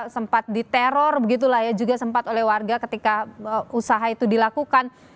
sempat diteror begitu lah ya juga sempat oleh warga ketika usaha itu dilakukan